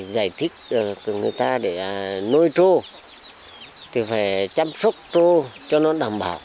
giải thích cho người ta để nuôi trâu thì phải chăm sóc trâu cho nó đảm bảo